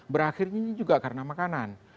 berakhirnya ini juga karena makanan